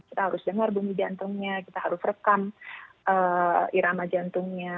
kita harus dengar bumi jantungnya kita harus rekam irama jantungnya